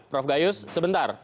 prof gayus sebentar